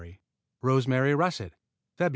Rosemary Russet Feb.